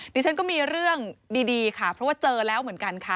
ดิฉันก็มีเรื่องดีค่ะเพราะว่าเจอแล้วเหมือนกันค่ะ